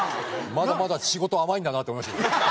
まだまだ仕事甘いんだなって思いましたね。